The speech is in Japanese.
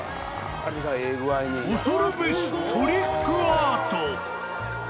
［恐るべしトリックアート］